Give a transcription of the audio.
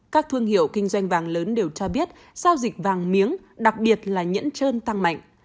các thương hiệu kinh doanh vàng lớn đều cho biết giao dịch vàng miếng đặc biệt là nhẫn trơn tăng mạnh